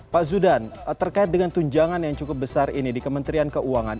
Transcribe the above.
pak zudan terkait dengan tunjangan yang cukup besar ini di kementerian keuangan